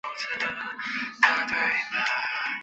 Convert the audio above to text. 沅江澧水